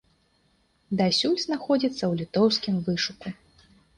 Дасюль знаходзіцца ў літоўскім вышуку.